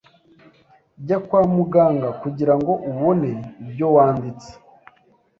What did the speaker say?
Jya kwa muganga kugirango ubone ibyo wanditse!